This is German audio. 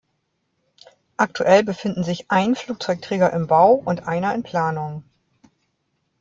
Aktuell befinden sich ein Flugzeugträger im Bau und einer in Planung.